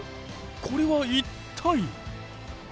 これは一体。